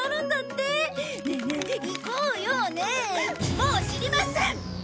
もう知りません！